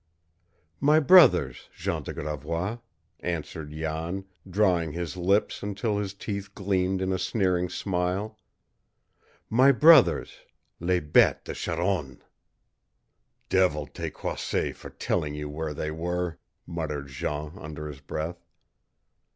"My brothers, Jean de Gravois," answered Jan, drawing his lips until his teeth gleamed in a sneering smile. "My brothers, les bêtes de charogne!" "Devil take Croisset for telling you where they were!" muttered Jean under his breath.